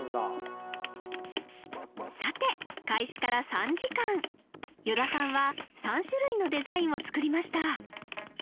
さて開始から３時間依田さんは３種類のデザインを作りました